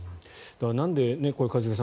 なんで、一茂さん